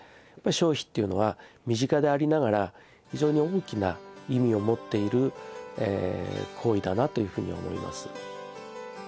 消費っていうのは身近でありながら非常に大きな意味を持っている行為だなというふうに思います。